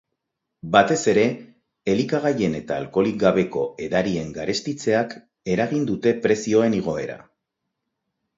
Batez ere, elikagaien eta alkoholik gabeko edarien garestitzeak eragin dute prezioen igoera.